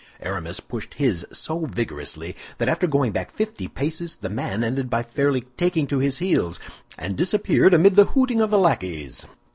Aramis pushed his so vigorously that after going back fifty paces, the man ended by fairly taking to his heels, and disappeared amid the hooting of the lackeys.